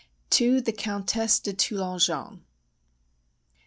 _To the Countess de Toulonjon.